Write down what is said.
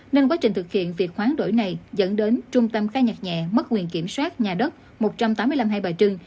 nên quá trình thực hiện việc hoán đổi này dẫn đến trung tâm khai nhạc nhẹ mất quyền kiểm soát nhà đất một trăm tám mươi năm hai bà trưng